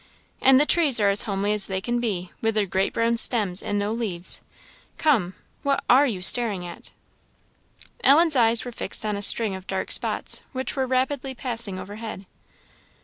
and the trees are as homely as they can be, with their great brown stems and no leaves. Come! what are you staring at?" Ellen's eyes were fixed on a string of dark spots, which were rapidly passing overhead.